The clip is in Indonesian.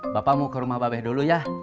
bapak mau ke rumah babe dulu ya